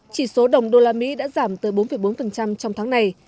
chỉ số đồng usd đã giảm tới bốn bốn trong tháng này